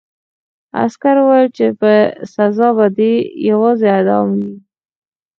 عسکر وویل چې سزا به دې یوازې اعدام وي